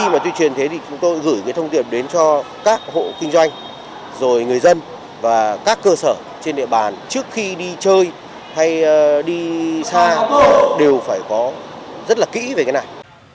và tuyên truyền thế thì chúng tôi gửi cái thông tiệm đến cho các hộ kinh doanh rồi người dân và các cơ sở trên địa bàn trước khi đi chơi hay đi xa đều phải có rất là kỹ về cái này